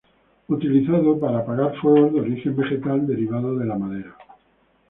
Utilizado para apagar fuegos de origen vegetal derivado de la madera.